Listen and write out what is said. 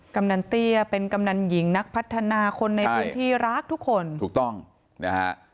กำนันเตี้ยเป็นกำนันหญิงนักพัฒนาคนในพื้นที่รักทุกคนถูกต้องนะฮะ